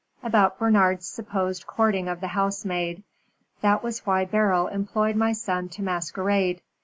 "About Bernard's supposed courting of the housemaid. That was why Beryl employed my son to masquerade.